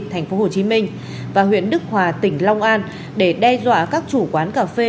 hồ chí minh và huyện đức hòa tỉnh long an để đe dọa các chủ quán cà phê